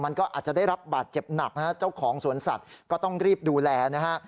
มันก็อาจจะได้รับบาดเจ็บหนักนะฮะเจ้าของสวนสัตว์ก็ต้องรีบดูแลนะฮะ